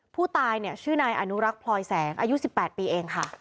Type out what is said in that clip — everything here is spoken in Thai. ผู้ตายเนี่ยชื่อนายอนุรักษ์พลอยแสงอายุ๑๘ปีเองค่ะ